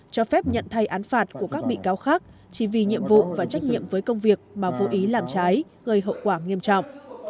cho phép nhận thay án phạt của các bị cáo khác chỉ vì nhiệm vụ và trách nhiệm với công việc mà vô ý làm trái gây hậu quả nghiêm trọng